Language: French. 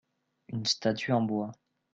une statue en bois.